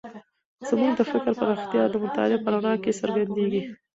زموږ د فکر پراختیا د مطالعې په رڼا کې څرګندېږي.